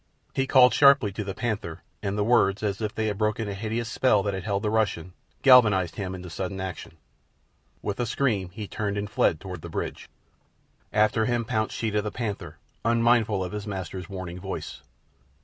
He called sharply to the panther, and the words, as if they had broken a hideous spell that had held the Russian, galvanized him into sudden action. With a scream he turned and fled toward the bridge. After him pounced Sheeta the panther, unmindful of his master's warning voice.